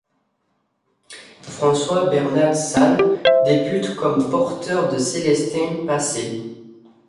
François Bernat-Salles débute comme porteur de Célestin Passet.